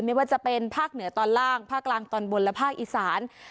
ไม่ว่าจะเป็นภาคเหนือตอนล่างภาคกลางตอนบนและภาคอีสาน